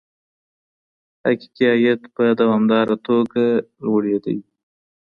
حقيقي عايد په دوامداره توګه لوړېده.